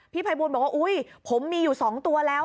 พี่ไพบูนบอกว่าอุ๊ยผมมีอยู่สองตัวแล้ว